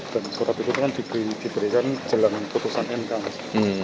dan surat itu kan diberikan jalan keputusan mk mas